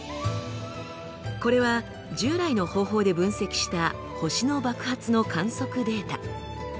これは従来の方法で分析した星の爆発の観測データ。